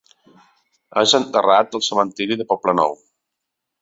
És enterrat al Cementiri del Poblenou.